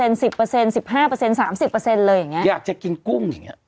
๑๕๑๐๑๕๓๐เลยอย่างนี้อยากจะกินกุ้งอย่างนี้